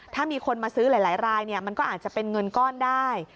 ถ้ามีคนมาซื้อหลายรายมันก็อาจจะเป็นเงินก้อนได้